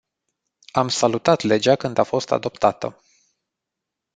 Am salutat legea când a fost adoptată.